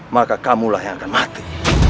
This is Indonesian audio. maka kamu lah yang akan mati